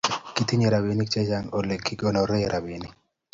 Kitinye robinik chechang eng olegigonoren robinik